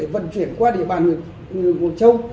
vận chuyển qua địa bàn huyện mộc châu